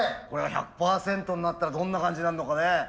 これが１００％になったらどんな感じになんのかね。